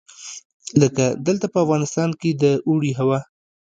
لکه دلته په افغانستان کې د اوړي هوا.